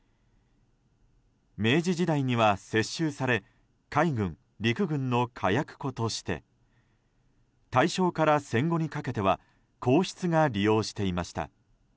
明治時代には接収され海軍、陸軍の火薬庫として大正から戦後にかけては皇室が利用していました。